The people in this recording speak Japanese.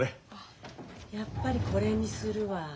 やっぱりこれにするわ。